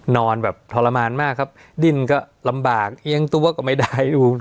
นอนแบบทรมานมากครับดิ้นก็ลำบากเอียงตัวก็ไม่ได้อยู่